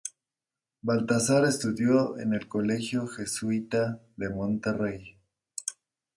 Baltasar estudió en el colegio jesuita de Monterrey.